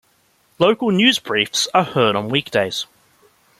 Local news briefs are heard on weekdays.